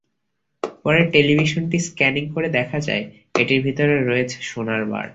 পরে টেলিভিশনটি স্ক্যানিং করে দেখা যায়, এটির ভেতরে রয়েছে সোনার বার।